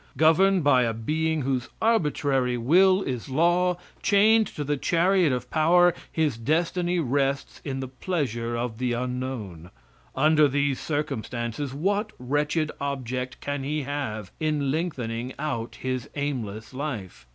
Governed by a being whose arbitrary will is law, chained to the chariot of power, his destiny rests in the pleasure of the unknown. Under these circumstances what wretched object can he have in lengthening out his aimless life?